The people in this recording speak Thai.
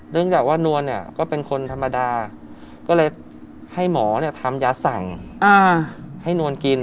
จากว่านวลเนี่ยก็เป็นคนธรรมดาก็เลยให้หมอเนี่ยทำยาสั่งให้นวลกิน